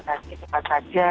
tadi cepat saja